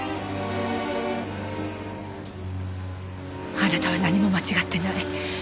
あなたは何も間違ってない。